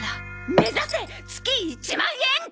目指せ月１万円！